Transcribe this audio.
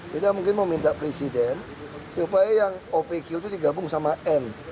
kita mungkin meminta presiden supaya yang opq itu digabung sama n